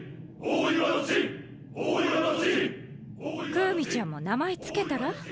クウミちゃんも名前付けたら？